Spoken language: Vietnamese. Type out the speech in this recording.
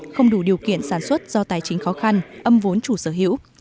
không đủ điều kiện sản xuất do tài chính khó khăn âm vốn chủ sở hữu